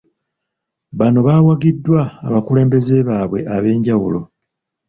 Bano baawagiddwa abakulembeze baabwe ab'enjawulo.